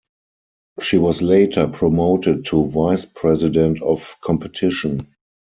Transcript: She was later promoted to Vice-President of Competition.